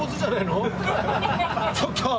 ちょっと！